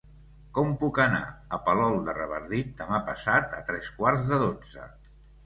Com puc anar a Palol de Revardit demà passat a tres quarts de dotze?